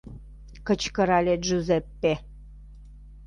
— кычкырале Джузеппе.